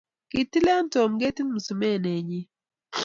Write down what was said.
kotile Tom ketit msumenee nyin